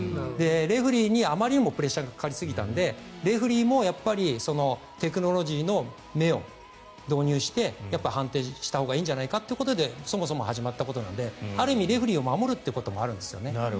レフェリーにあまりにもプレッシャーがかかりすぎたのでレフェリーもテクノロジーの目を導入して判定したほうがいいんじゃないかということでそもそも始まったことなのである意味、レフェリーを守ることもあるんです。